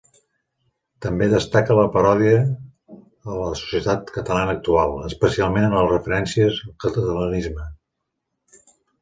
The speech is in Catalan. També destaca la paròdia a la societat catalana actual, especialment en les referències al catalanisme.